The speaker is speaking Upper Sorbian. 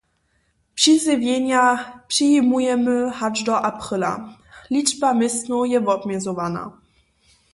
Přizjewjenja přijimujemy hač do apryla. Ličba městnow je wobmjezowana!